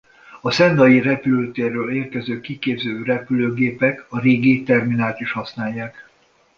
A Szendai repülőtérről érkező kiképző repülőgépek a régi terminált is használják.